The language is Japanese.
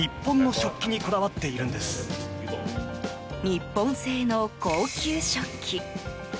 日本製の高級食器。